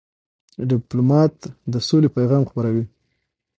ډيپلومات د سولې پیغام خپروي.